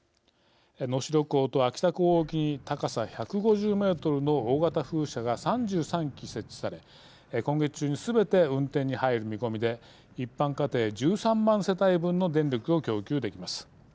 能代港と秋田港沖に高さ１５０ｍの大型風車が３３基設置され、今月中にすべて運転に入る見込みで一般家庭１３万世帯分の電力を供給できます。